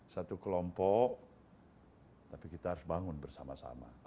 satu kelompok tapi kita harus bangun bersama sama